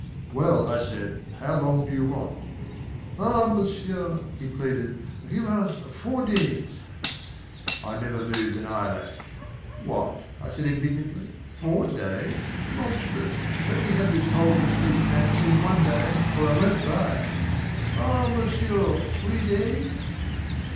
"Well," I said, "how long do you want?" "Ah, monsieur," he pleaded, "give us four days!" I never moved an eyelash. "What!" I said indignantly, "four days! Monstrous! Let me have this whole complete fantasy in one day or I won't buy it." "Ah, monsieur, three days?"